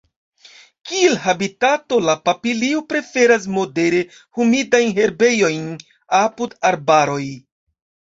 Kiel habitato la papilio preferas modere humidajn herbejojn apud arbaroj.